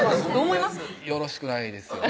よろしくないですよね